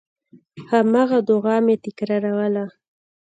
هماغه دعا مې تکراروله.